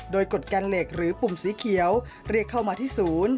โดยกดแกนเหล็กหรือปุ่มสีเขียวเรียกเข้ามาที่ศูนย์